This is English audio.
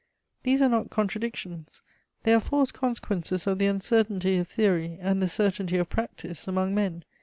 These are not contradictions: they are forced consequences of the uncertainty of theory and the certainty of practice among men.